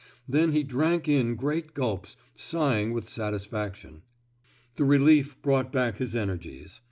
Then he drank in great gulps, sighing with satisfaction. The relief brought back his energies.